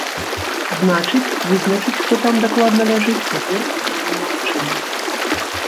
Значыць, вызначыць, хто там дакладна ляжыць, цяпер ужо немагчыма.